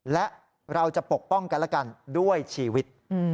และเราจะปกป้องกันและกันด้วยชีวิต